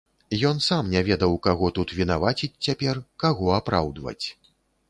Ён сам не ведаў, каго тут вінаваціць цяпер, каго апраўдваць.